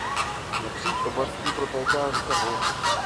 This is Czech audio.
Napříč oblastí protéká řeka Volha.